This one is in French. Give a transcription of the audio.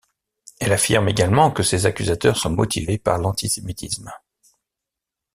Elle affirme également que ses accusateurs sont motivés par l'antisémitisme.